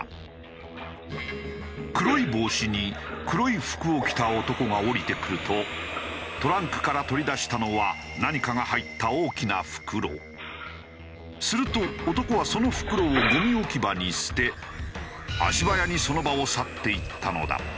黒い帽子に黒い服を着た男が降りてくるとトランクから取り出したのは何かが入ったすると男はその袋をゴミ置き場に捨て足早にその場を去っていったのだ。